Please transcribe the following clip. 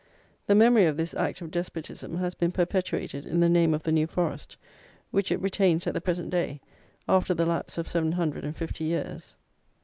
The memory of this act of despotism has been perpetuated in the name of the New Forest, which it retains at the present day, after the lapse of seven hundred and fifty years."